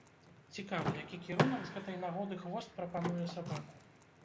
Цікава, які кірунак з гэтай нагоды хвост прапануе сабаку?